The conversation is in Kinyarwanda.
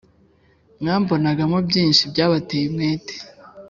mwambonagamo byinshi byabateye umwete